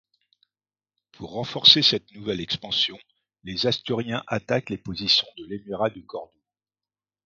Pour renforcer cette nouvelle expansion, les Asturiens attaquent les positions de l’émirat de Cordoue.